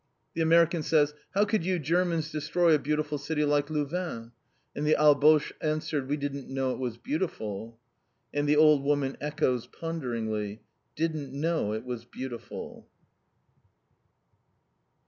The American says: 'How could you Germans destroy a beautiful city like Louvain?' And the Alboche answered, 'We didn't know it was beautiful'!" And the old woman echoes ponderingly: "_Didn't know it was beautiful!